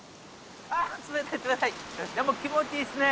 でも気持ちいいですね。